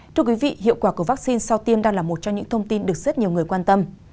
thưa quý vị hiệu quả của vaccine sau tiêm đang là một trong những thông tin được rất nhiều người quan tâm